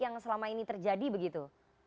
yang selama ini terjadi begitu